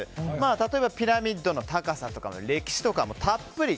例えばピラミッドの高さとか歴史とかたっぷり。